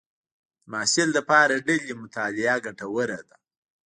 د محصل لپاره ډلې مطالعه ګټوره ده.